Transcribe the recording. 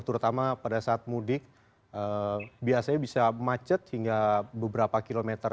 terutama pada saat mudik biasanya bisa macet hingga beberapa kilometer